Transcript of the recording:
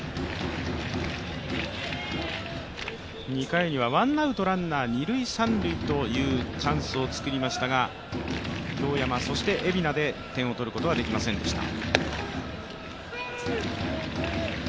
２回にはワンアウトランナー二・三塁というチャンスを作りましたが、京山、蝦名で点を取ることはできませんでした。